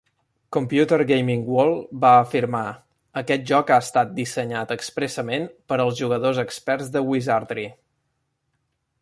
Computer Gaming World va afirmar: "Aquest joc ha estat dissenyat expressament per als jugadors experts de Wirzardry".